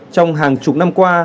trong hàng chục năm qua